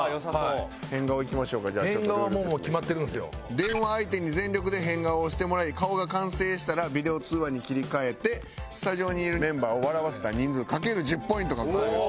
電話相手に全力で変顔をしてもらい顔が完成したらビデオ通話に切り替えてスタジオにいるメンバーを笑わせた人数かける１０ポイント獲得です